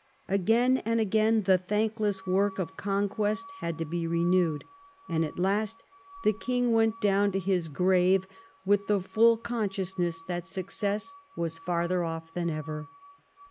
Again and again the thankless work of conquest had to be renewed. And at last the king went down to 200 EDWARD I chap. his grave with the full consciousness that success was farther off than ever.